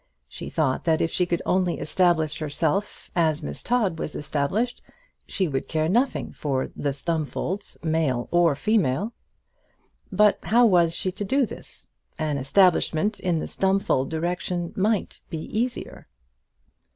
She thought that if she could only establish herself as Miss Todd was established, she would care nothing for the Stumfolds, male or female. But how was she to do this? An establishment in the Stumfold direction might be easier.